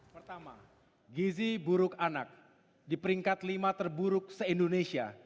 pertama gizi buruk anak di peringkat lima terburuk se indonesia